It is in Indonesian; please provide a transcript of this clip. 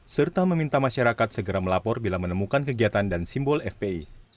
serta meminta masyarakat segera melapor bila menemukan kegiatan dan simbol fpi